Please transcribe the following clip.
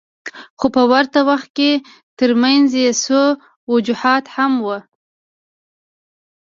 خو په ورته وخت کې ترمنځ یې څو وجوهات هم وو.